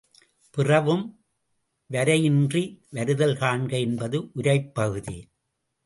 பிறவும் வரையறையின்றி வருதல் காண்க என்பது உரைப்பகுதி.